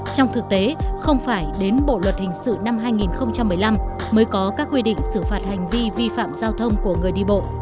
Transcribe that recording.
trong thực tế không phải đến bộ luật hình sự năm hai nghìn một mươi năm mới có các quy định xử phạt hành vi vi phạm giao thông của người đi bộ